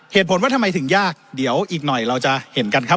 เหตุผลว่าทำไมถึงยากเดี๋ยวอีกหน่อยเราจะเห็นกันครับ